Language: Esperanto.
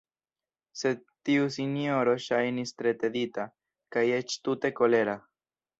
Sed tiu sinjoro ŝajnis tre tedita, kaj eĉ tute kolera.